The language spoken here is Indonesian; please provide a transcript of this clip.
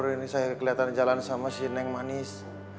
ini saya keliatan jalan sama si neng manis